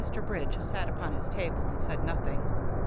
Bridge sat upon his table and said nothing.